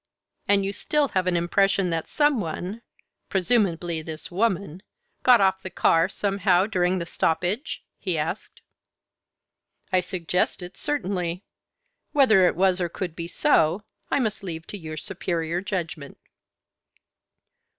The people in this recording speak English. "And you still have an impression that some one presumably this woman got off the car, somehow, during the stoppage?" he asked. "I suggest it, certainly. Whether it was or could be so, I must leave to your superior judgment."